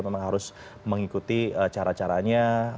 memang harus mengikuti cara caranya